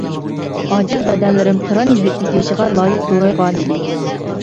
ئاجىز بەدەنلىرىم قىران يىگىتلىك يېشىغا لايىق زورايغانىدى.